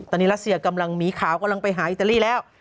ตอนนี้รัสเซียกำลังหมีขาวกำลังไปหาอิตาลีแล้ว